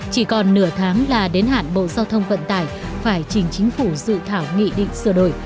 chỉ còn nửa tháng là đến hạn bộ giao thông vận tải phải trình chính phủ dự thảo nghị định sửa đổi